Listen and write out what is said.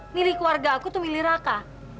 milih keluarga aku tuh milih raka